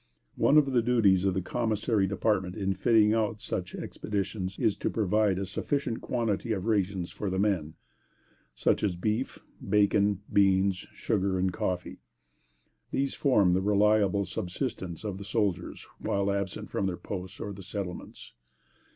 One of the duties of the Commissary Department in fitting out such expeditions is, to provide a sufficient quantity of rations for the men, such as beef, bacon, beans, sugar and coffee. These form the reliable subsistence of the soldiers while absent from their posts or the settlements.